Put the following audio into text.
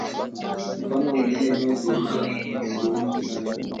Mfano wa nomino inayodhihirisha mageuzi haya